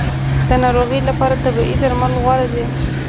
د ناروغۍ لپاره طبیعي درمل غوره دي